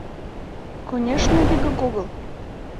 Конешне, вигак огыл.